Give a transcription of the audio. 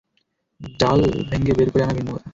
Jail ভেংগে বের করে আনা ভিন্ন কথা।